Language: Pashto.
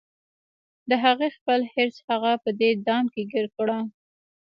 د هغې خپل حرص هغه په دې دام کې ګیر کړه